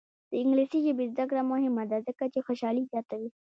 د انګلیسي ژبې زده کړه مهمه ده ځکه چې خوشحالي زیاتوي.